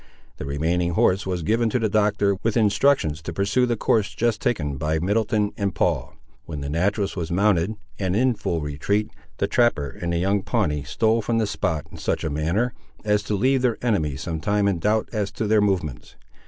The remaining horse was given to the Doctor, with instructions to pursue the course just taken by Middleton and Paul. When the naturalist was mounted and in full retreat, the trapper and the young Pawnee stole from the spot in such a manner as to leave their enemies some time in doubt as to their movements.